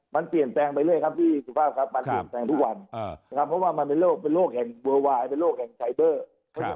เพราะฉะนั้นสิ่งเดี๋ยวนี้ผมก็บอกว่าเราไม่ได้บอกแต่โยนให้ประสาทมนถ์พวกการอย่างเดียว